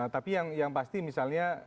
tapi yang pasti misalnya